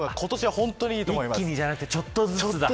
一気にじゃなくてちょっとずつだ。